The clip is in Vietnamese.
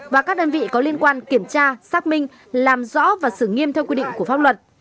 và các đơn vị có liên quan kiểm tra xác minh làm rõ và xử nghiêm theo quy định của pháp luật